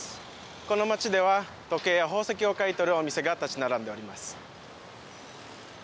この街では時計や宝石を買い取るお店が立ち並んでおります。